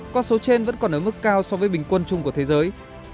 con số trên vẫn còn ở mức cao so với bình quân chung của thế giới